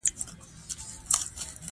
ما دغه ځواک ښاغلي ډاربي ته توضيح کړ.